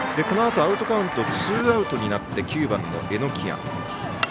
このあとアウトカウントツーアウトになって９番の榎谷。